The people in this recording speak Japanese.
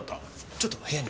ちょっと部屋に。